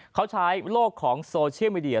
เขาใช้โลกของโซเชียลมีเดีย